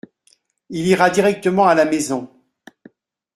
Il ira directement à la maison.